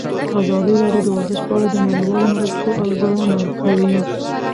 ازادي راډیو د ورزش په اړه د نړیوالو مرستو ارزونه کړې.